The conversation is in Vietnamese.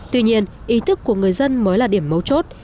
tuy nhiên ý thức của người dân mới là điểm mấu chốt